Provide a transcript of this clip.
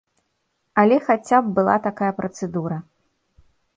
Але хаця б была такая працэдура.